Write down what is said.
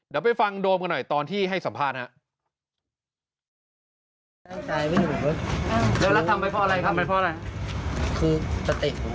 เดี๋ยวไปฟังโดมกันหน่อยตอนที่ให้สัมภาษณ์ครับ